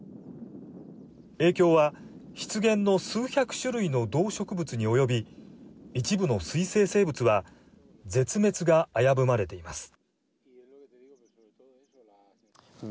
影響は湿原の数百種類の動植物に及び一部の水生生物は絶滅が危ぶまれています。